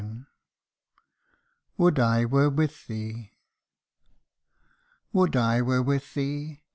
259 WOULD I WERE WITH THEE ! WOULD I were with thee